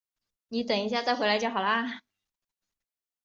你等一下再回来就好了